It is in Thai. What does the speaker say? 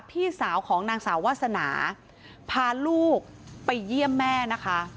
พี่สาวของนางสาววาสนาพาลูกไปเยี่ยมแม่นะคะ